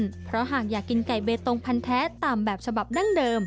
เพราะหากอยากกินไก่เบตงพันธ์แท้ตามแบบฉบับดั้งเดิม